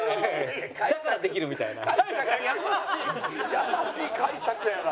優しい解釈やな。